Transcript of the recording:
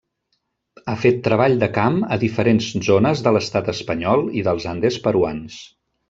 Ha fet treball de camp a diferents zones de l'Estat espanyol i dels Andes peruans.